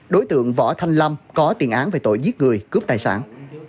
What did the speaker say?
đối tượng võ thanh lâm có tiền án về tội giết người cướp tài sản